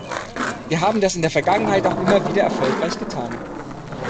Wir haben das in der Vergangenheit auch immer wieder erfolgreich getan.